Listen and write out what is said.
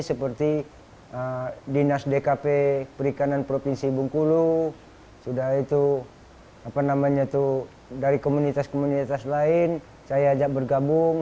seperti dinas dkp perikanan provinsi bungkulu sudah itu apa namanya itu dari komunitas komunitas lain saya ajak bergabung